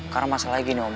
karena masalahnya gini om